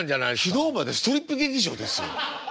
昨日までストリップ劇場ですよ？